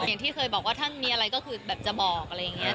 อย่างที่เคยบอกว่าท่านมีอะไรก็คือแบบจะบอกอะไรอย่างนี้